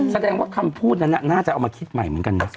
แสดงว่าคำพูดนั้นน่าจะเอามาคิดใหม่เหมือนกันนะ